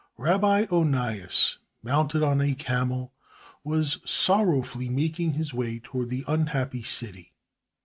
Rabbi Onias, mounted on a camel, was sorrowfully making his way toward the unhappy city.